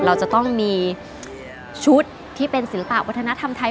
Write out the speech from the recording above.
เราจะต้องมีชุดที่เป็นศิลปะวัฒนธรรมไทย